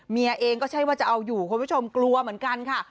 เมียเองก็ใช่ว่าจะเอาอยู่คุณผู้ชมกลัวเหมือนกันค่ะ